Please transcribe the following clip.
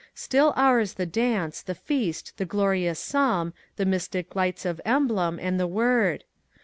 Still ours the dance, the feast, the glorious Psalm, The mystic lights of emblem, and the Word.